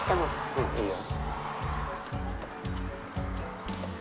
うんいいよ。